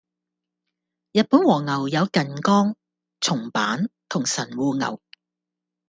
日本和牛有近江、松阪同神戶牛